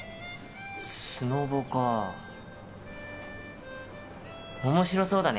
スノボか面白そうだね